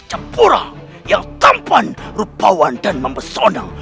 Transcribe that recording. jepura yang tampan rupawan dan membesona